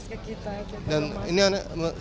saya tuh sangat berkesan banget sama mama